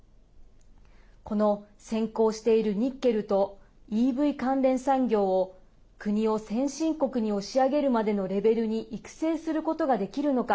この先行しているニッケルとＥＶ関連産業を国を先進国に押し上げるまでのレベルに育成することができるのか。